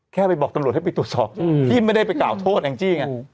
แค่ไปบอกตำรวจให้ไปตรวจสอบที่ไม่ได้ไปกล่าวโทษแองจี้ไง